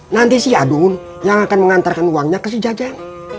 nanti si agung yang akan mengantarkan uangnya ke si jajan